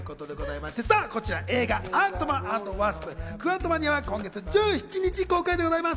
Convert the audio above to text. こちら、映画『アントマン＆ワプス：クアントマニア』は今月１７日、公開でございます。